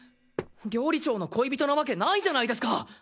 料理長の恋人なわけないじゃないですか！